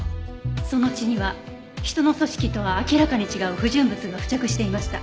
その血には人の組織とは明らかに違う不純物が付着していました。